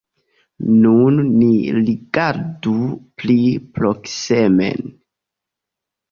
Nun ni rigardu pli proksimen.